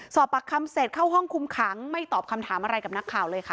สอบปากคำเสร็จเข้าห้องคุมขังไม่ตอบคำถามอะไรกับนักข่าวเลยค่ะ